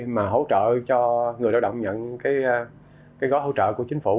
mà hỗ trợ cho người lao động nhận cái gói hỗ trợ của chính phủ